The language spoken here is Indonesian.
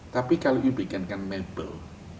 tapi kalau you bikinkan mebel